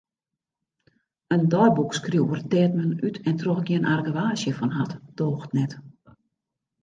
In deiboekskriuwer dêr't men út en troch gjin argewaasje fan hat, doocht net.